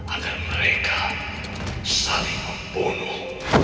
agar mereka saling membunuh